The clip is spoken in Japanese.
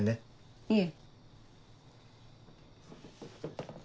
いえ。